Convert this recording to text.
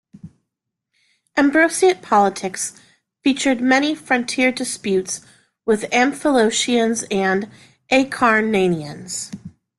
Ambraciot politics featured many frontier disputes with the Amphilochians and Acarnanians.